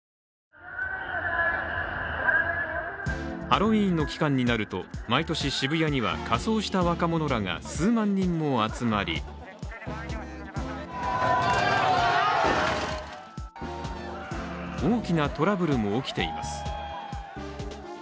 ハロウィーンの期間になると毎年渋谷には仮装した若者らが数万人も集まり大きなトラブルも起きています。